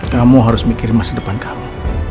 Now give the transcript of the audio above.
kamu harus mikir masa depan kamu